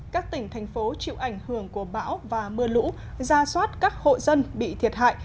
các tỉnh thành phố chịu ảnh hưởng của bão và mưa lũ ra soát các hộ dân bị thiệt hại